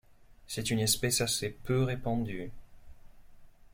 C'est une espèce assez peu répandue.